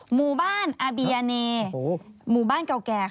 หมู่บ้านอาเบียเนหมู่บ้านเก่าแก่